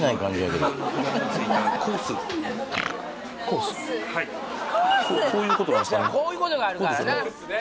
こういうことなんすかね